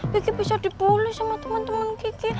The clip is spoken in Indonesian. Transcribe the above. kiki bisa dipolis sama temen temen kiki